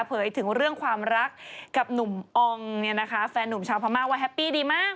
เผยถึงเรื่องความรักกับหนุ่มอองเนี่ยนะคะแฟนหนุ่มชาวพม่าว่าแฮปปี้ดีมาก